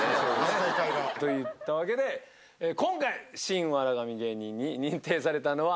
といったわけで今回シン・笑神芸人に認定されたのは。